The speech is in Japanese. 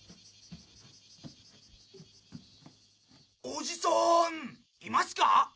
おじさんいますか？